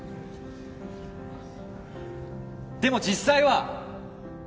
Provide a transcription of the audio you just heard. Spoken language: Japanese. でも実際は！